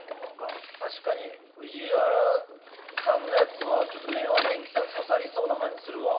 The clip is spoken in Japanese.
確かに藤原さんのやつはちょっと明和電機さん刺さりそうな感じするわ。